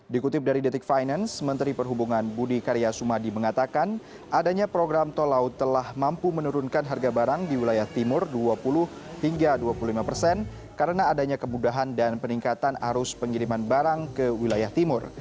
dikutip dari detik finance menteri perhubungan budi karya sumadi mengatakan adanya program tol laut telah mampu menurunkan harga barang di wilayah timur dua puluh hingga dua puluh lima persen karena adanya kemudahan dan peningkatan arus pengiriman barang ke wilayah timur